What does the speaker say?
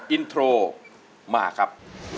อินโทรมาครับ